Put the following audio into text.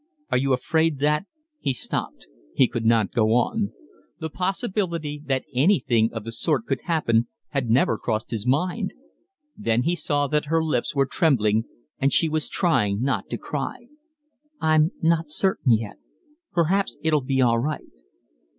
Are you afraid that… ?" He stopped. He could not go on. The possibility that anything of the sort could happen had never crossed his mind. Then he saw that her lips were trembling, and she was trying not to cry. "I'm not certain yet. Perhaps it'll be all right."